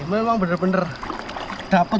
memang benar benar dapat